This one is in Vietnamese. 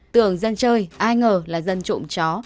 tưởng dân chơi ai ngờ là dân trộm chó